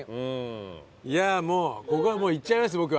いやもうここはもういっちゃいます